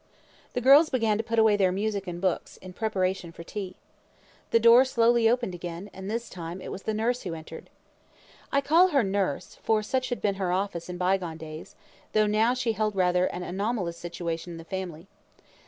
The girls began to put away their music and books, in preparation for tea. The door slowly opened again, and this time it was the nurse who entered. I call her nurse, for such had been her office in by gone days, though now she held rather an anomalous situation in the family.